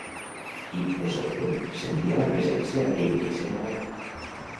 I, de sobte, sentia la presència d’aquell ésser alat.